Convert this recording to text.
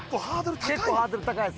結構ハードル高いよ。